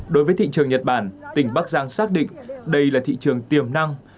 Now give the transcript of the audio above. đối với thị trường nhật bản tỉnh bắc giang xác định đây là thị trường tiềm năng